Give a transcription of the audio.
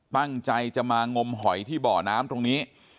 ตั้งใจจะมางมหอยที่เบาะน้ำตรงนี้